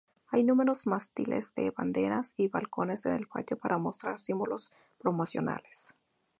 Hay numerosos mástiles de banderas y balcones en el patio para mostrar símbolos promocionales.